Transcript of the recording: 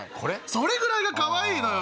それぐらいがかわいいのよ。